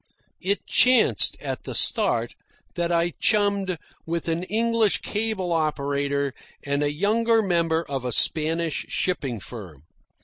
It chanced, at the start, that I chummed with an English cable operator and a younger member of a Spanish shipping firm.